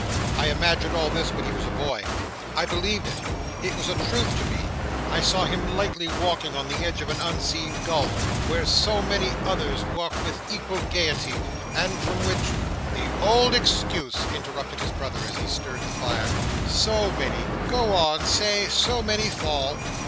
"I imagined all this when he was a boy. I believed it. It was a truth to me. I saw him lightly walking on the edge of an unseen gulf where so many others walk with equal gaiety, and from which—" "The old excuse," interrupted his brother, as he stirred the fire. "So many. Go on. Say, so many fall."